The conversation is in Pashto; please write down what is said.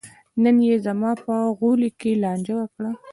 نن یې د ماما په غولي کې لانجه وکړه.